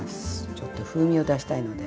ちょっと風味を出したいので。